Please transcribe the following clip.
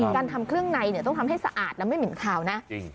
การทำเครื่องในต้องทำให้สะอาดแล้วไม่เหม็นคาวนะจริง